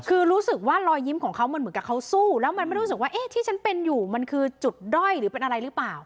คือรู้สึกว่ารอยยิ้มของเขามันเหมือนกับเขาสู้แล้วมันไม่รู้สึกว่าเอ๊ะที่ฉันเป็นอยู่มันคือจุดด้อยหรือเป็นอะไรหรือเปล่า